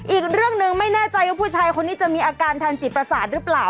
อีกเรื่องหนึ่งไม่แน่ใจว่าผู้ชายคนนี้จะมีอาการทางจิตประสาทหรือเปล่า